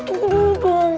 tunggu dulu dong